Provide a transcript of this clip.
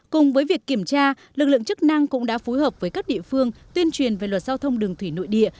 cùng với việc kiểm tra lực lượng chức năng cũng đã phối hợp với các địa phương tuyên truyền về luật giao thông đường thủy nội địa